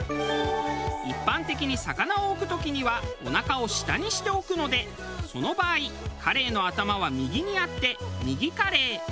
一般的に魚を置く時にはおなかを下にして置くのでその場合カレイの頭は右にあって右カレイ。